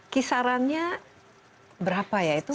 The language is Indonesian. kisarannya berapa ya itu